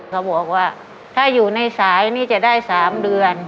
เขาบอกว่าถ้าอยู่ในสายนี่จะได้๓เดือน